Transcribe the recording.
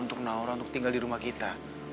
untuk naura tinggal di rumah kita